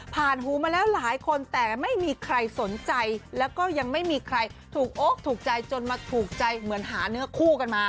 หูมาแล้วหลายคนแต่ไม่มีใครสนใจแล้วก็ยังไม่มีใครถูกโอ๊คถูกใจจนมาถูกใจเหมือนหาเนื้อคู่กันมา